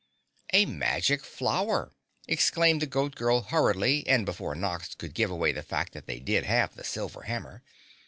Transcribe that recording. "A magic flower," explained the Goat Girl hurriedly, and before Nox could give away the fact that they did have the silver hammer.